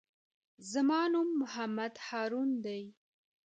زما نوم محمد هارون دئ.